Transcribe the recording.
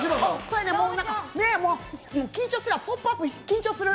緊張するわ「ポップＵＰ！」緊張する。